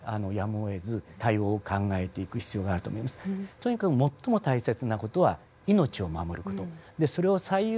とにかく最も大切な事は命を守る事。